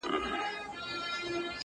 پر خوار او پر غریب د هر آفت لاسونه بر دي؛